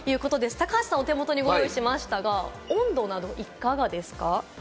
高橋さんのお手元にご用意しましたが、温度などいかがですか？